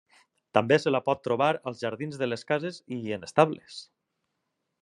També se la pot trobar als jardins de les cases i en estables.